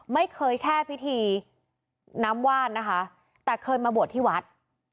ไม่ใช่แช่พิธีน้ำว่านนะคะแต่เคยมาบวชที่วัด